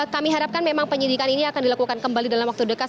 kami harapkan memang penyidikan ini akan dilakukan kembali dalam waktu dekat